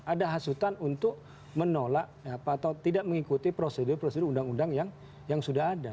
ada hasutan untuk menolak atau tidak mengikuti prosedur prosedur undang undang yang sudah ada